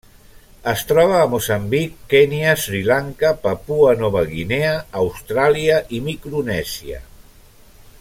Es troba a Moçambic, Kenya, Sri Lanka, Papua Nova Guinea, Austràlia i Micronèsia.